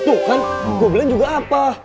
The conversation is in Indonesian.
tuh kan gobelin juga apa